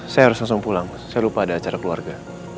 saya harus langsung pulang saya lupa ada acara keluarga